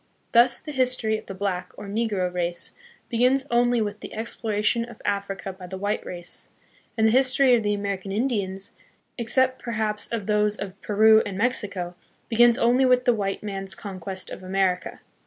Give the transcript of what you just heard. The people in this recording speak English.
Thus, the history of the black, or negro, race begins only with the exploration of Africa by the white race, and the history of the American Indians, except perhaps of those of Peru and Mexico, begins only with the white man's conquest of America.